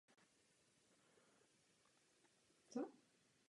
Pokud si přejeme obnovit diskusi, uděláme to.